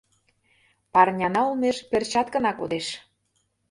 Парняна олмеш перчаткына кодеш.